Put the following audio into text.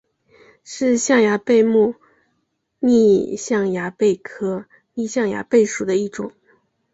是象牙贝目丽象牙贝科丽象牙贝属的一种。